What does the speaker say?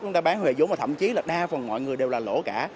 chúng ta bán hề vốn mà thậm chí là đa phần mọi người đều là lỗ cả